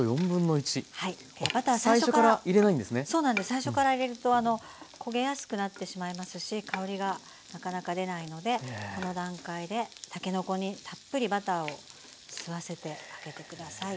最初から入れると焦げやすくなってしまいますし香りがなかなか出ないのでこの段階でたけのこにたっぷりバターを吸わせてあげてください。